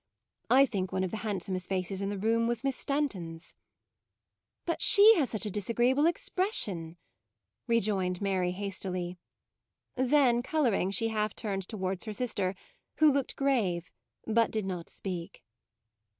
I think one of the handsomest faces in the room was Miss Stanton's." u But she has such a disagreeable expression," rejoined Mary hastily: then colouring she half turned tow , ards her sister, who looked grave, but did not speak.